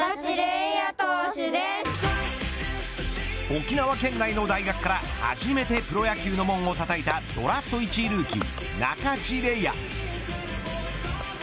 沖縄県内の大学から、初めてプロ野球の門をたたいたドラフト１位ルーキー仲地礼亜。